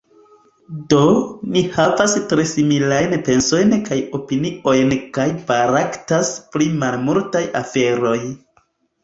Do, ni havas tre similajn pensojn kaj opiniojn kaj baraktas pri malmultaj aferoj.